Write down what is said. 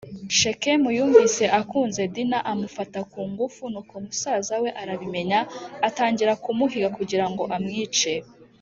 Shekemu yumvise akunze Dina amufata kungufu nuko musaza we arabimenya atangira kumuhiga kugira ngo amwice.